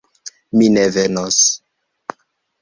Mi ne venos.